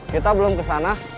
kita belum kesana